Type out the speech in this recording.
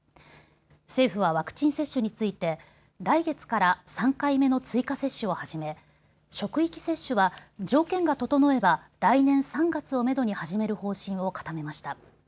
政府はワクチン接種について来月から３回目の追加接種を始め、職域接種は条件が整えば来年３月をめどに始める方針を固めました。